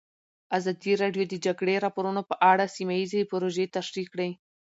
ازادي راډیو د د جګړې راپورونه په اړه سیمه ییزې پروژې تشریح کړې.